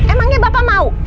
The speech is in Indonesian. emangnya bapak mau